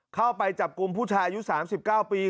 เข้าไปจับกลุ่มผู้ชายอายุ๓๙ปี